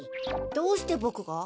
どうしてボクが？